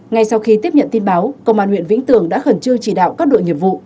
ngay sau khi tiếp nhận tin báo công an huyện vĩnh tường đã khẩn trương chỉ đạo các đội nghiệp vụ